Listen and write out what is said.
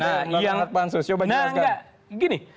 panggilan pansus coba jelaskan nah nggak gini